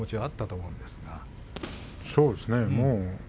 そうですね。